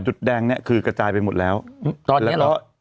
จุดแดงนี้คือกระจายไปหมดแล้วตอนนี้หรอ